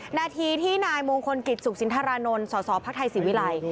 หน้าทีที่นายมงคลกิจสุขสินธารณนท์สศภักดิ์ไทยศิวิไลน์